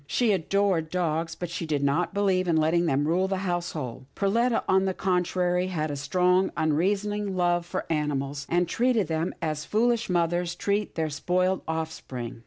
She adored dogs, but she did not believe in letting them rule the household. Perletta, on the contrary, had a strong unreasoning love for animals, and treated them as foolish mothers treat their spoiled offspring.